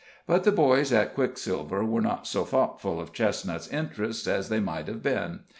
But the boys at Quicksilver were not so thoughtful of Chestnut's interests as they might have been.